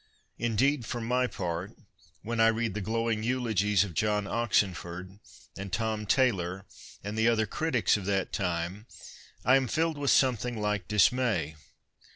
Indeed, for my part, when I read the glowing eulogies 264 T. W. ROBERTSON of John Oxenford and Tom Taylor and the other critics of that time I am hlled with something Uke dismay.